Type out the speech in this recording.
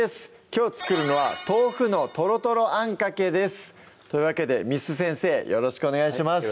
きょう作るのは「豆腐のとろとろあんかけ」ですというわけで簾先生よろしくお願いします